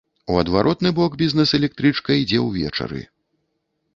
У адваротны бок бізнэс-электрычка ідзе ўвечары.